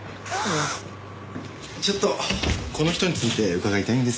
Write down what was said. ちょっとこの人について伺いたいんですけど。